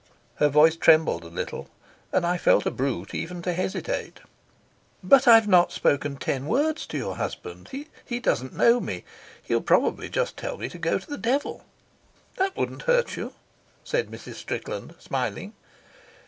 Her voice trembled a little, and I felt a brute even to hesitate. "But I've not spoken ten words to your husband. He doesn't know me. He'll probably just tell me to go to the devil." "That wouldn't hurt you," said Mrs. Strickland, smiling.